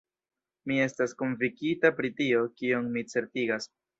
Mi estas konvinkita pri tio, kion mi certigas.